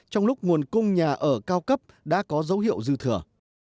trong lúc nguồn cung nhà ở cao cấp đã có dấu hiệu dư thừa